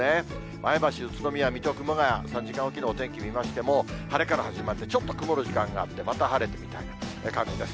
前橋、宇都宮、水戸、熊谷、３時間置きのお天気を見ましても、晴れから始まって、ちょっと曇る時間があって、また晴れるという感じです。